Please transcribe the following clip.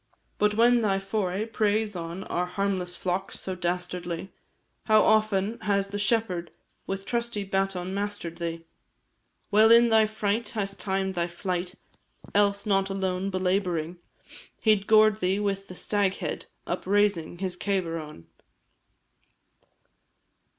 But when thy foray preys on Our harmless flocks, so dastardly, How often has the shepherd With trusty baton master'd thee; Well in thy fright hast timed thy flight, Else, not alone, belabouring, He 'd gored thee with the Staghead, Up raising his cabar on.